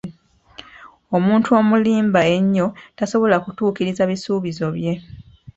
Omuntu omulimba ennyo tasobola kutuukiriza bisuubizo bye.